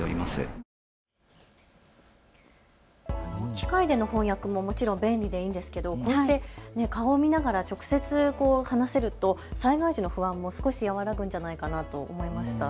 機械での翻訳ももちろん便利でいいんですけど、こうして顔を見ながら直接、話せると災害時の不安も少し和らぐんじゃないかと思いました。